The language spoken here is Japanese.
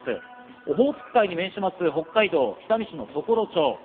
オホーツク海に面する北海道北見市常呂町。